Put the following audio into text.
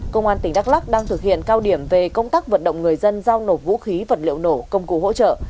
công an tỉnh đắk lắc đang thực hiện cao điểm về công tác vận động người dân giao nộp vũ khí vật liệu nổ công cụ hỗ trợ